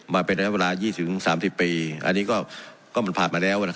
มาเป็นระยะเวลา๒๐๓๐ปีอันนี้ก็มันผ่านมาแล้วนะ